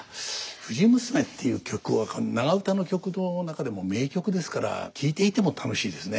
「藤娘」っていう曲は長唄の曲の中でも名曲ですから聴いていても楽しいですね。